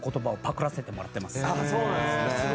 あっそうなんですね。